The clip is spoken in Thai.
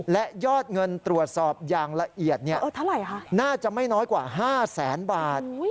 และยอดเงินตรวจสอบอย่างละเอียดน่าจะไม่น้อยกว่า๕แสนบาท